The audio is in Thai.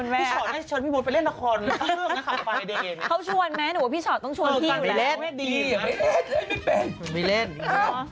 พี่ฉอตให้เชิญพี่บุ๊ดไปเล่นตาคอน